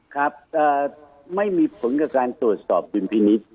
ครับไม่มีผลกับการตรวจสอบดุลพินิษฐ์